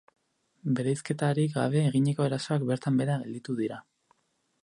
Bereizketarik gabe eginiko erasoak bertan behera gelditu dira.